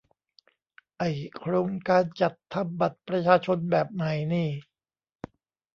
ไอ้ "โครงการจัดทำบัตรประชาชนแบบใหม่" นี่